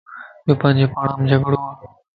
يو پانجي مان جھڙووَ